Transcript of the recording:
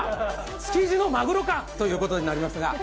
築地のまぐろか！ということになりますが。